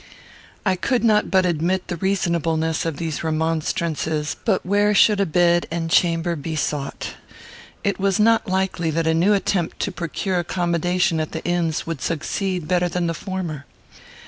I could not but admit the reasonableness of these remonstrances; but where should a chamber and bed be sought? It was not likely that a new attempt to procure accommodation at the inns would succeed better than the former.